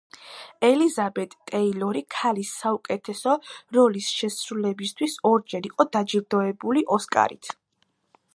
ელიზაბეტ ტეილორი ქალის საუკეთესო როლის შესრულებისთვის ორჯერ იყო დაჯილდოებული ოსკარით.